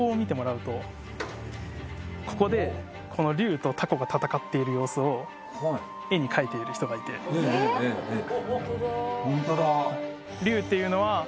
ここでこの龍とタコが戦っている様子を絵に描いている人がいてえっ？